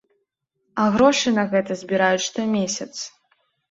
А грошы на гэта збіраюць штомесяц.